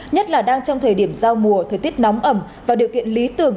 nhất là đang trong thời điểm giao mùa thời tiết nóng ẩm và điều kiện lý tưởng